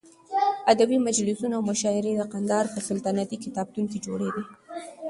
ادبي مجلسونه او مشاعرې د قندهار په سلطنتي کتابتون کې جوړېدې.